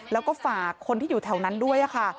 แล้วก็ฝากคนที่อยู่แถวนั้นด้วยค่ะ